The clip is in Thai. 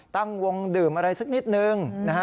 ตั้งวงดื่มอะไรสักนิดหนึ่ง